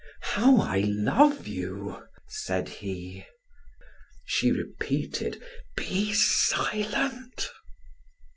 "How I love you!" said he. She repeated: "Be silent!"